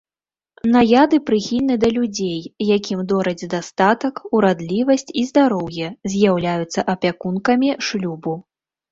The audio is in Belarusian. Наяды прыхільны да людзей, якім дораць дастатак, урадлівасць і здароўе, з'яўляюцца апякункамі шлюбу.